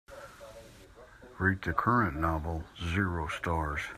rate the current novel zero stars